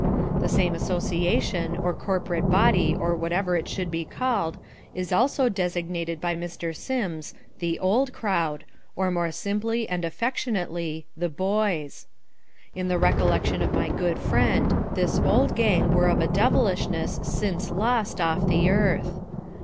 The same association, or corporate body or whatever it should be called, is also designated by Mr. Sims, the "old crowd," or more simply and affectionately "the boys." In the recollection of my good friend this "old gang" were of a devilishness since lost off the earth.